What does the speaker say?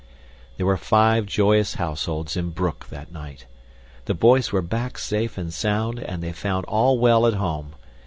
There were five joyous households in Broek that night. The boys were back safe and sound, and they found all well at home.